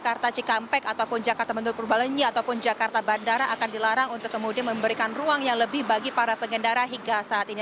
jakarta cikampek ataupun jakarta menuju purbalenyi ataupun jakarta bandara akan dilarang untuk kemudian memberikan ruang yang lebih bagi para pengendara hingga saat ini